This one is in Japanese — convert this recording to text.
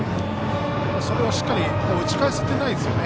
それをしっかり打ち返せていないですよね。